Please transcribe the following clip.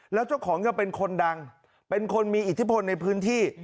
แล้วเจ้าของยังเป็นคนดังเป็นคนมีอิทธิพลในพื้นที่